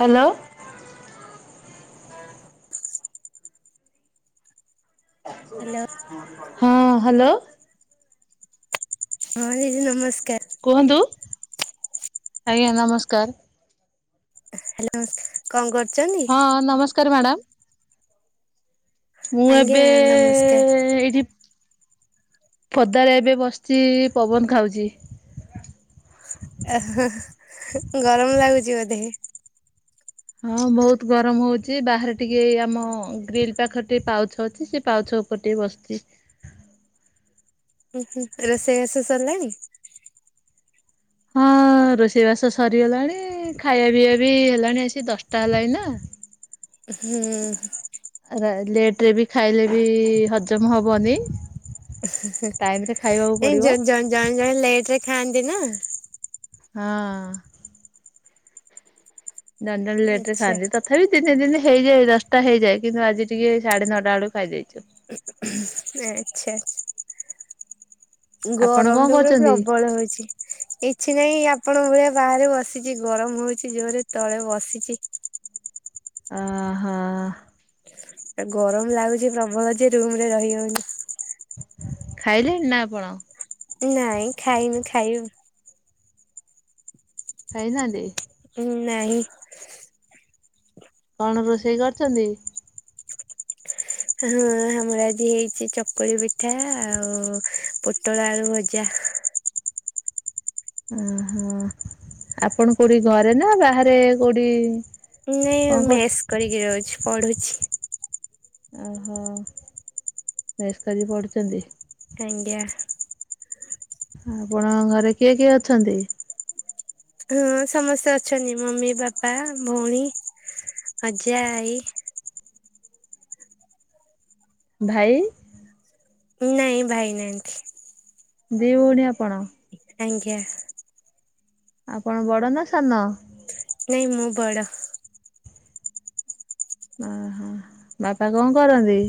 Hello. Hello ହଁ hello. ହଁ ଦିଦି ନମସ୍କାର। କୁହନ୍ତୁ, ଆଜ୍ଞା ନମସ୍କାର। ହ୍ୟାଲୋ। କଁ କରୁ ଚନ୍ତି? ହଁ ନମସ୍କାର ମ୍ୟାଡ଼ାମ। ମୁଁ ଆଜ୍ଞା ଏବେ ନମସ୍କାର ଏଇଠି ପଦାରେ ଏବେ ବସିଛି ପବନ ଖାଉଛି। ଏହେ ଗରମ ଲାଗୁଛି ବୋଧେ? ହଁ ବହୁତ ଗରମ ହଉଛି ବାହାରେ ଟିକେ ଆମ ଗ୍ରୀଲ ପାଖରେ ଟିକେ ପାଉଛ ଅଛି। ସେ ପାଉଛ ଉ ପରେ ଟିକେ ବସିଛି। ହୁଁ ହୁଁ ରୋଷେଇ ବାସ ସରିଲାଣି? ହଁ ରୋଷେଇ ବାସ ସରିଗଲାଣି ଖାଇବା ପିଇବା ବି ହେଲାଣି ଆସି ଦଶଟା ହେଲାଣି ନା। ହୁଁ। ଲେଟରେ ବି ଖାଇଲେ ବି ହଜମ ହେବନି। ଏଇ ଜଣେ ଜଣେ ଲେଟ ରେ ଖାଆନ୍ତି ନା। ହଁ ଅଁ ଜଣେ ଜଣେ ଲେଟରେ ଆଚ୍ଛା ଖାଆନ୍ତି ତ ତଥାପି ତିନି ଦିନ ହେଇଯାଏ ଦଶଟା ହେଇଯାଏ କିନ୍ତୁ ଆଜି ଟିକେ ସାଢେ ନଅଟା ବେଳକୁ ଖାଇଦେଇଛୁ। ଆଛା। ଆପଣ ଗରମ କଣ ତ ପୁରା କରୁଛନ୍ତି? ପ୍ରବଳ ହଉଛି। କିଛି ନାହିଁ ଆପଣଙ୍କ ଭଳିଆ ବାହାରେ ବସିଛି ଗରମ ହଉଛି ଜୋରରେ ତଳେ ବସିଛି। ଆ ହା। ଗରମ ଲାଗୁଛି ପ୍ରବଳ ଯେ ରୁମ ରେ ରହି ହଉନି। ଖାଇଲେଣି ନା ଆପଣ? ନାଇଁ ଖାଇନୁ ଖାଇବୁ। ଖାଇନାହାନ୍ତି? ନାଇଁ। କଣ ରୋଷେଇ କରିଛନ୍ତି? ହଁ ଆମର ଆଜି ହେଇଛି ଚକୁଳି ପିଠା ଆଉ ପୋଟଳ ଆଳୁ ଭଜା। ଓହୋ ଆପଣ କୋଉଠି ଘରେ ନା ବାହାରେ କୋଉଠି? କଣ ନାଇଁ କରୁ ମେସ କରିକି ରହୁଛି ପଢୁଛି। ଓହୋ ମେସ୍ କରିକି ପଢୁଛନ୍ତି? ଆଜ୍ଞା। ଆପଣ ଘରେ କିଏ କିଏ ଅଛନ୍ତି? ହଁ ସମସ୍ତେ ଅଛନ୍ତି ମମି ବାପା ଭଉଣୀ ଅଜା ଆଈ ଭାଇ ନାଇଁ ଭାଇ ନାହାଁନ୍ତି। ଦି ଭଉଣୀ ଆପଣ? ଆଜ୍ଞା। ଆପଣ ବଡ ନା ସାନ? ନାଇଁ ମୁଁ ବଡ। ଓହୋ ବାପା କଣ କରନ୍ତି?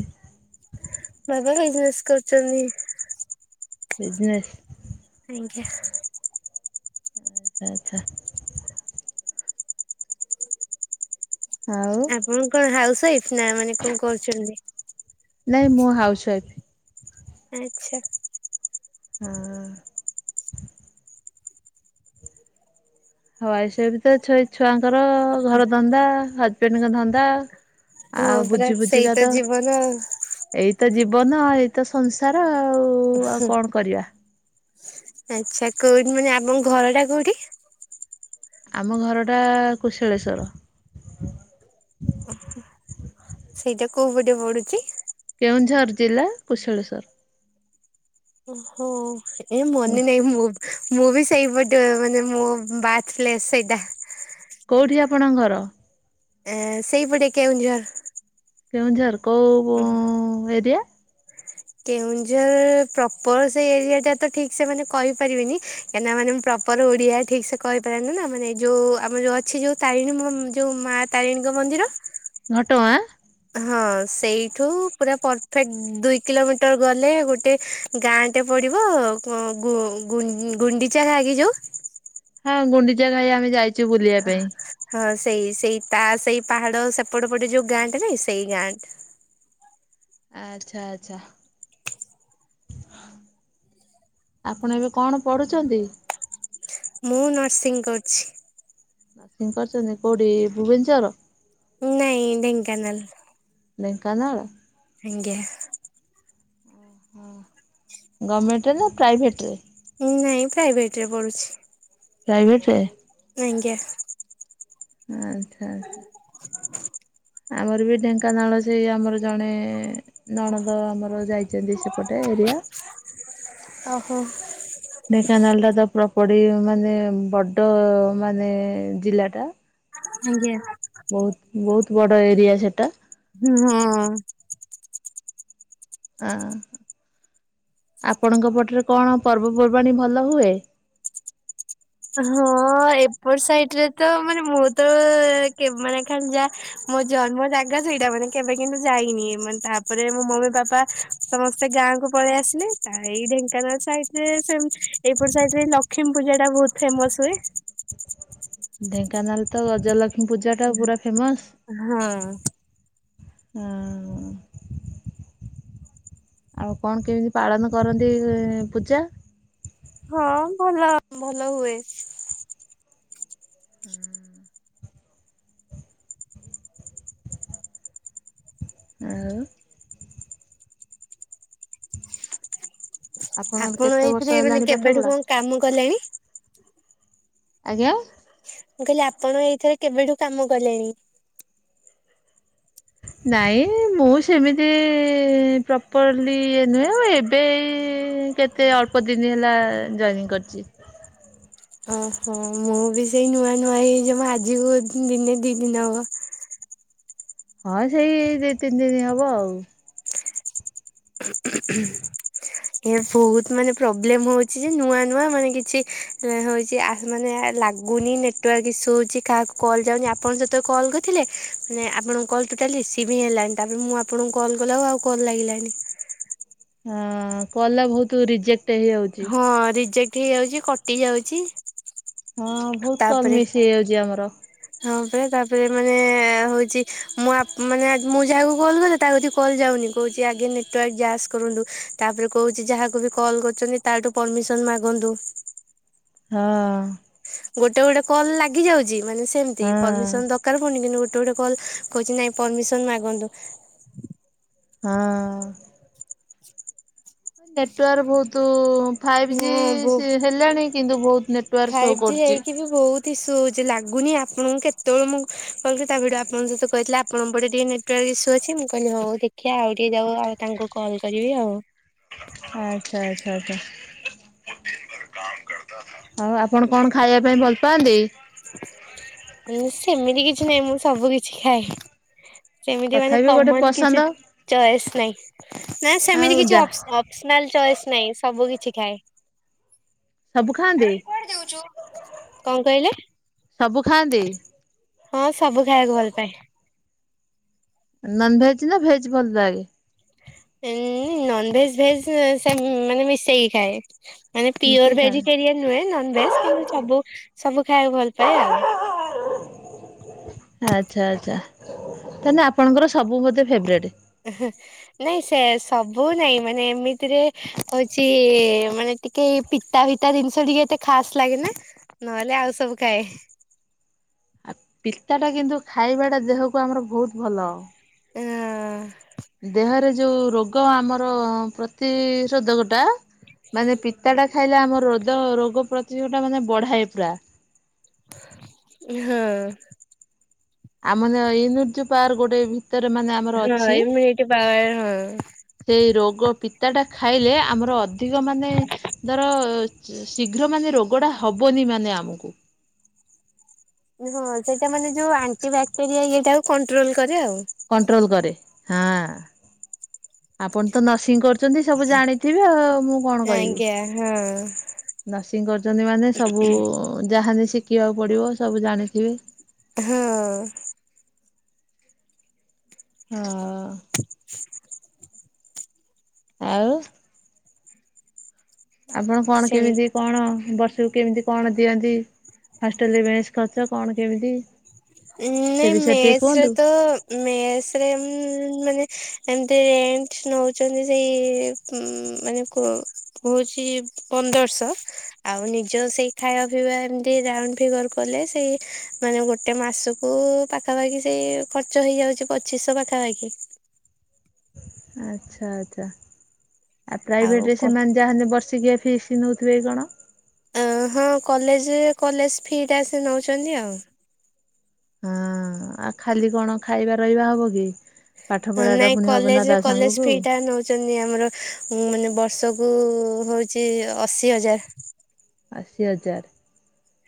ବାବା ବିଜନେସ୍ କରୁଛନ୍ତି। ବିଜନେସ୍। ଆଜ୍ଞା। ଆଛା ଆଛା। ଆଉ ଆପଣ କଣ ହାଉସ ୱାଇଫ ନା ମାନେ କଣ କରୁଛନ୍ତି? ନାଇଁ ମୁଁ ହାଉସ ୱାଇଫ୍। ଆଛା। ହଁ ଅ ହାଉସୱାଇଫ ତ ଛୁଆଙ୍କର ଘର ଧନ୍ଦା ହଜବେଣ୍ଡଙ୍କ ଧନ୍ଦା ହଁ ଆଉ ପରା ବୁଝୁ ସେଇ ବୁଝିକା ତ ଜୀବନ ଆଉ ଏଇତ ଜୀବନ, ଏଇତ ସଂସାର ଆଉ, ଆଉ କଣ କରିବା? ଆଛା, କୋଉଠି ମାନେ ଆପଣ ଘରଟା କୋଉଠି? ଆମ ଘରଟା କୁଶଳେଶ୍ଵର। ଓହୋ ସେଇଟା କୋଉ ପଟେ ପଡୁଛି? କେଉଁଝର ଜିଲ୍ଲା କୁଶଳେଶ୍ୱର। ହଁ ଏ ମନେ ନାହିଁ ମୋର ମୁଁ ବି ସେଇପଟେ ମାନେ ମୋ ବାର୍ଥ ପ୍ଲେସ ସେଇଟା। କଉଠି ଆପଣଙ୍କ ଘର? ଏ ସେଇପଟେ କେଉଁଝର। କେଉଁଝର କଉ ଏରିଆ? କେଉଁଝର ପ୍ରପରସେ ଏରିଆଟା ତ ଠିକ ସେ ମାନେ କହିପାରିବିନି। କାହିଁକନା ମାନେଁ ପ୍ରପର ଓଡିଆ ଠିକ ସେ କହିପାରେନି ନା ମାନେ ଯୋଉ ଆମର ଯୋଉ ଅଛି ଯୋଉ ତାରିଣୀ ମାଁ ତାରିଣୀଙ୍କ ମନ୍ଦିର ଘଟଗାଁ ହଁ ସେଇଠୁ ପୁରା ପରଫେକ୍ଟ ଦୁଇ କିଲୋମିଟର ଗଲେ ଗୋଟେ ଗାଁଟେ ପଡିବ ଗୁଣ୍ଡିଚା ଘାଗି ଯୋଉ? ହଁ ଗୁଣ୍ଡିଚା ଘାଇ ଆମେ ଯାଇଛୁ ବୁଲିବା ପାଇଁ। ହଁ ସେଇ ସେଇ ତା ସେଇ ପାହାଡ ସେପଟ ପଟେ ଯୋଉ ଗାଁଟ ନାଇଁ ସେଇ ଗାଁଟା। ଆଚ୍ଛା ଆଚ୍ଛା। ଆପଣ ଏବେ କଣ ପଢୁଛନ୍ତି? ମୁଁ ନର୍ସିଂ କରୁଛି। ନର୍ସିଂ କରୁଛନ୍ତି, କଉଠି ଭୁବନେଶ୍ୱର? ନାଇଁ ଢେଙ୍କାନାଲ। ଢେଙ୍କାନାଳ ଆଜ୍ଞା ହଁ, ଭର୍ଣ୍ଣମେଣ୍ଟରେ ନା ପ୍ରାଇଭେଟରେ? ନାହିଁ ପ୍ରାଇଭେଟରେ ପଢୁଛି। ପ୍ରାଇଭେଟରେ ଆଜ୍ଞା ହୁଁ ହୁଁ ଆମର ବି ଢେଙ୍କାନାଳ ସେଇ ଆମର ଜଣେ ନଣଦ ଆମର ଯାଇଛନ୍ତି ସେପଟ ଏରିଆ। ଅହୋ ଢେଙ୍କାନାଳଟା ତ ପ୍ରପଟି ମାନେ ବଡ ମାନେ ଜିଲ୍ଲା ଟା। ଆଜ୍ଞା ବହୁତ ବହୁତ ବଡ ଏରିଆ ସେଟା। ହଁ ଆ, ଆପଣଙ୍କ ପଟେ କଣ ପର୍ବପର୍ବାଣୀ ଭଲ ହୁଏ? ହଁ ଏପଟ ସାଇଟରେ ତ ମାନେ ମୁଁ ତ କେବ ଖାଲି ମାନେ ଯାହା ମୋ ଜନ୍ମ ଜାଗା ସେଇଟା ମାନେ କେବେ କିନ୍ତୁ ଯାଇନି ମାନେ ତାପରେ ମୋ ମମି ବାପା ସମସ୍ତେ ଗାଁକୁ ପଳେଇଆସିଲେ ତ ଏଇ ଢେଙ୍କାନାଳ ସାଇଡରେ ଏଇପଟ ସାଇଡରେ ଲ ଲକ୍ଷ୍ମୀୂା ପୂଜାଟା ବହୁତ ଫେମସ୍ ହୁଏ। ଢେଙ୍କାନାଳ ତ ଗଜଲକ୍ଷ୍ମୀ ପୂଜା ଟା ପୁରା ଫେମସ। ହଁ। ହଁ। ଆଉ କଣ କେମିତି ପାଳନ କରନ୍ତି ପୂଜା? ହଁ ଭଲ ଭଲ ହୁଏ। ହୁଁ [unintelligible] ଆଉ। ଆପଣଙ୍କର ଆପଣ କେତେ ବର୍ଷ ଏଇଥିରେ ମାନେ ହେଲାଣି ପାଠ କେବେଠୁ ପଢା? କଣ କାମ କଲେଣି? ଆଜ୍ଞା! ମୁ କହିଲି ଆପଣ ଏଇଥିରେକେବେଠୁ କାମ କଲେଣି। ନାଇଁ ମୁଁ ସେମିତି ପ୍ରପର୍ଲି ଇଏ ନୁହେଁ ଏବେ ଏଇକେ ସେଅଳ୍ପ ଦିନ ହେଲା ଜଏନିଂ କରିଛି। ଓହୋ ମୁଁ ବି ସେଇ ନୂଆ ନୂଆ ହେଇଯିବ ଆଜିକୁ ଦିନେ ଦି ଦିନ ହବ। ହଁ ସେଇ ଦି ତିନି ଦିନ ହବ ଆଉ। [unintelligible] ଏ ବହୁତ ମାନେ ପ୍ରୋବ୍ଲେମ ହଉଛି ଯେ ନୂଆ ନୂଆ ମାନେ କିଛି ହଉଛି ମାନେ ଲାଗୁ ଗୁନି ନେଟୱାର୍କ ଇସ୍ୟୁ ହେଉଛି କାହାକୁ କଲ୍ ଯାଉନି ଆପଣଙ୍କ ଯେତେବେଳେସହକଲ୍ କରିଥିଲେ ଆପଣଙ୍କ କଲ୍ ଟୋଟାଲି ରିସିିବ୍ ହିଁ ହେଲାନି ତାପରେ ମୁଁ ଆପଣଙ୍କୁ କଲ୍ କଲା ବେଳେକୁକଲ୍ ଆଉଲାଗିଲାଣି ହଁ କଲଟାବହୁତ ରିଜେକ୍ଟ। ହେଇଯାଉଛି। ହଁ ରିଜେକ୍ଟ ହେଇଯାଉଛି କଟି ଯାଉଛି ହଁ ବହୁତ କଲ ତାପରେ ମିଶି ହେଇଯାଉଛି ଆମର। ହଁ ପରା ତାପରେ ମାନେ ହଉଛି ମୁଁ ମାନେ ମୁଁ ଯାହାକୁ କଲ କଲେ। ତ କଲ୍ ଯାଉନି କହୁଛି ଆଗେ ନେଟୱାର୍କ ଯାଚ କରନ୍ତୁ ତାପରେ କହୁଛି ଯାହା ବି କଲ୍ କରୁଛନ୍ତି ତାଠୁ ପରମିସନ ମାଗନ୍ତୁ ହଁ। ଗୋଟେ ଗୋଟେ କଲ ଲାଗି ଯାଉଛି ମାନେ ସେମତି ହଁ ପରିମିଶନ ତ କାର ହଉନି କିନ୍ତୁ ଗୋଟେ ଗୋଟେ କଲ୍ କହୁଛି ନାହିଁ ପରମିସନ ମାଗନ୍ତୁ। ହଁ। ନେଟୱାର୍କ ବହୁତ ଫାଇଭ ମୁଁ ବୋ ଜି ହେଲାଣି କିନ୍ତୁ ବହୁତ ନେଟୱାର୍କ ଶୋ ଫାଇଭ୍ ଜି କରୁଛି। ହେଇକି ବି ବହୁତ ଇସୁ ହଉଛି ଲାଗୁନି ଆପଣଙ୍କୁ କେତେବେଳେ ମୁଁ କହିଲି ତା ଭିଡି ଆପଣଙ୍କ ସହିତ କହିଥିଲ ଆପଣଙ୍କ ପଟେ ଟିକେ। ନେଟୱର୍କ ଇସୁ ଅଛି ମୁଁ କହିଲି ହଉ ଦେଖିବା ଆଉ ଟିକେ ଯାଉ ଆଉ ତାଙ୍କୁ କଲ୍ କରିବି ଆଉ। ଆଚ୍ଛା ଆଚ୍ଛା ଆଚ୍ଛା। ଆଉ ଆପଣ କଣ ଖାଇବା ପାଇଁ ଭଲ ପାଆନ୍ତି। ସେମିତି କିଛି ନାହିଁ ମୁଁ ସବୁ କିଛି ଖାଏ। ସେମିତି ମାନେ ତଥାପି ଗୋଟେ କମନ୍ ପସନ୍ଦ କିଛି ଚଏସ ନାଇଁ ନା ଆଉ ସେମତି କିଛି। ଯାହା ଅପସନାଲ ଚଏସ୍ ନାଇଁ ସବୁ କିଛି ଖାଏ। ସବୁ ଖାଆନ୍ତି? ଆରାଲ କୁଆଡେ ଯାଉଛୁ କଣ କହିଲେ। ସବୁ ଖାଆନ୍ତି। ହଁ ସବୁ ଖାଇବାକୁ ଭଲ ପାଏ। ନନ ଭେଜ ନା ଭେଜ ଭଲ ଲାଗେ। ନନ ଭେଜ ଭେଜ ସେ ମାନେ ମିଶେଇକି ଖାଏ। ମାନେ ମିଶିକି ପିଓର ଖାଆନ୍ତି। ଭେଜିଟେରିଆନ ନୁହେଁ ନନ ଭେଜ କିନ୍ତୁ ସବୁ ସବୁ ଖାଇବାକୁ ଭଲ ପାଏ ଆଉ। ଆଚ୍ଛା ଆଚ୍ଛା ତାେଲେ ଆପଣଙ୍କର ସବୁ ବୋଧେ ଫେବରଟ୍। ନାଇଁ ସେ ସବୁ ନାଇଁ ମାନେ ଏମିତିରେ। ହଉଛି ମାନେ ଟିକେ ପିତା ଫିତା ଜିନିଷ ଟିକେ ଏତେ ଖାସ ଲାଗେ ନା। ନହେଲେ ଆଉ ସବୁ ଖାଏ। ପିତା ଟା କିନ୍ତୁ ଖାଇବା ଟା ଦେହକୁ ଆମର ବହୁତ ଭଲ। ହଁ। ଦେହରେ ଯୋଉ ରୋଗ ଆମର ପ୍ରତିସୋଧକ ଟା ମାନେ ପିତା ଟା ଖାଇଲେ ଆମର ରୋଦ ରୋଗ ପ୍ରତିରୋଧକଟା ମାନେ ବଢାଏ ପୁରା। ହଁ। ଆମର ଇନ୍ୟୁଟି ଯୋଉ ପାୱାର ଯୋଉ ଗୋଟେ ଭି ହଁ ଇମ୍ୟୁନିଟି ପାୱାର ହଁ। ସେଇ ରୋଗ ପିତାଟା ଖାଇଲେ ଆମର ଅଧିକ ମାନେ ଧର ଶୀଘ୍ର ମାନେ ରୋଗଟା ହବନି ମାନେ ଆମକୁ। ହଁ ସେଇଟା ମାନେ ଯୋଉ ଆଣ୍ଟି ବାକ୍ଟେରିଆ ଇଏଟାକୁ କଣ୍ଟ୍ରୋଲ କରେ ଆଉ। କଣ୍ଟ୍ରୋଲ କରେ ହଁ ଆପଣ ତ ନର୍ସିଂ କରୁ ଛନ୍ତି ସବୁ ଜାଣିଥିବେ ଆଉ ମୁଁ କଣ କହିବି। ଆଜ୍ଞା ହଁ। ନର୍ସିଂ କରୁଛନ୍ତି ମାନେ ସବୁ ଯାହାବି ଶିଖିବାକୁ ପଡ଼ିବ ସବୁ ଜାଣିଥିବେ ହଁ। ହଁ। ଆଉ ଆପଣ କଣ ସେଇ କେମିତି କଣ ବର୍ଷକୁ କେମିତି କଣ ଦିଅନ୍ତି ହଷ୍ଟେଲ ରେ ମେସ ଖର୍ଚ କଣ କେମିତି ସେ ନାଇଁ ବିଷୟରେ ଟିକେ ମେସରେ କୁହନ୍ତୁ? ତ ମେସରେ ଉଁ ମାନେ ଏମତି ରେଟ ନଉଛନ୍ତି ସେଇ ଉଁ ମାନେ କହୁଛି ପନ୍ଦରଶହ ଆଉ ନିଜ ସେଇ ଖାଇବା ପିଇବା ଏମିତି ରାଉଣ୍ଡ ଫିଗର କଲେ ସେଇ ମାନେ ଗୋଟେ ଗୋଟେ ମାସକୁ ପାଖାପାଖି ସେଇ ଖର୍ଚ୍ଚ ହେଇଯାଉଛି ପଚିଶହ ପାଖାପାଖି ଆଚ୍ଛା ଆଛା ଆ ଆଉ ପ୍ରାଇଭେଟ ରେ କ ସେମାନେ ଯାହେଲେ ବର୍ଷିକିଆ ଫିସ ନଉଥିବେ କଣ? ହଁ କଲେଜ କଲେଜ ଫିଟା ସେ ନେଉଛନ୍ତି ଆଉ। ହଁ ଆଉ ଖାଲି କଣ ଖାଇବା ରହିବା ହବ କି? ପାଠ ହ ପଢାଟା ନାଇଁ ପୁଣି ହବ ନା କଲେଜରେ ତା କଲେଜ ସାଙ୍ଗକୁ ଫି ଟା ନଉ ଛନ୍ତି ଆମର ଉ ମାନେ ବର୍ଷକୁ ହଉଛି ଅଶି ହଜାର। ଅଶୀ ହଜାର।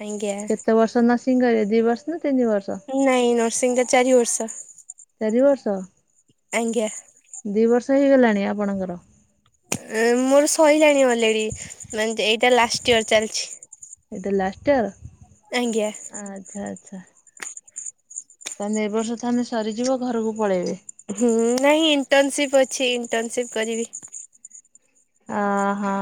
ଆଜ୍ଞା। ଏତେ ବର୍ଷ ନର୍ସିଂ କରିବେ ଦୁଇ ବର୍ଷ ନା ତିିନି ବର୍ଷ। ନାଇଁ ନର୍ସିଂ ଟା ଚାରି ବର୍ଷ। ଚାରି ବର୍ଷ। ଆଜ୍ଞା। ଦୁଇ ବର୍ଷ ହେଇଗଲାଣି ଆପଣଙ୍କର? ମୋର ସହିଲାଣି ଅଲରେଡି ମାନେ ଏଇଟା ଲାଷ୍ଟ ଇୟର ଚାଲିଛି। ଏଇଟା ଲାଷ୍ଟ ଇୟର। ଆଜ୍ଞା। ଆଚ୍ଛା ଆଚ୍ଛା। ତାହେଲେ ଏବ ବର୍ଷ ତମେ ସରିଯିବ ଘରକୁ ପଳେଇବେ? ହୁଁ ନାଇଁ ଇଣ୍ଟର୍ନସିପ୍ ଅଛି ଇଣ୍ଟର୍ନସିପ କରିବି। ଅ ହଁ।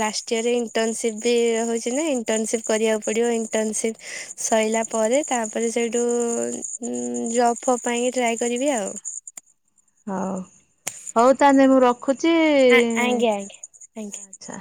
ଲାଷ୍ଟ ଇୟର ରେ ଇଣ୍ଟର୍ନସିପ ବି ରହୁଛି ନା ଇଣ୍ଟର୍ନସିପ କରିବାକୁ ପଡିବ ଇଣ୍ଟର୍ନସିପ। ସଇଲା ପରେ ତାପରେ ସେଇଠୁ ଉଁ ଜବ୍ ଫବ୍ ପାଇଁକି ଟ୍ରାୟ କରିବି ଆଉ। ହଉ ହଉ ତାହେଲେ ମୁଁ ରଖୁଛି ଆଜ୍ଞା ଆଜ୍ଞା ଆଜ୍ଞା। ଆଚ୍ଛା ଆଛା।